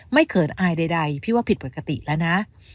เขินอายใดพี่ว่าผิดปกติแล้วนะ